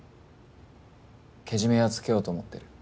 ケジメはつけようと思ってる。